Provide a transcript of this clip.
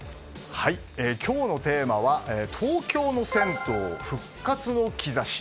今日のテーマは東京の銭湯復活の兆し。